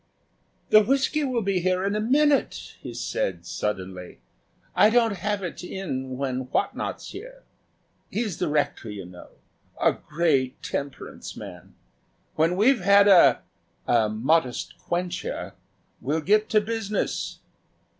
"The whiskey will be here in a minute," he said, suddenly. "I don't have it in when Whatnot's here. He's the Rector, you know; a great temperance man. When we've had a a modest quencher we'll get to business."